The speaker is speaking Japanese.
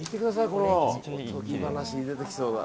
このおとぎ話に出てきそうな。